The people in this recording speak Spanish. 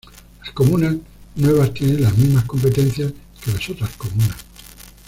Las Comunas nuevas tienen las mismas competencias que las otras comunas.